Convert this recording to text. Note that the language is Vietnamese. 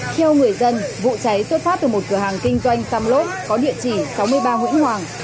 các người dân vụ cháy tuyên phát từ một cửa hàng kinh doanh tăm lốt có địa chỉ sáu mươi ba nguyễn hoàng